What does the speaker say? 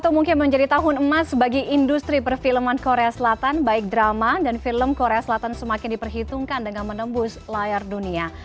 satu mungkin menjadi tahun emas bagi industri perfilman korea selatan baik drama dan film korea selatan semakin diperhitungkan dengan menembus layar dunia